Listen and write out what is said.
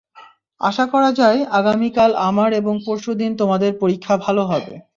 আশা করা যায়, আগামীকাল আমার এবং পরশুদিন তোমাদের পরীক্ষা ভালো হবে।